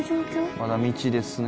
まだ道ですね。